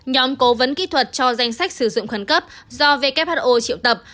nhóm cố vấn kỹ thuật cho danh sách sử dụng khẩn cấp do who triệu tập